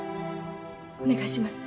お願いします。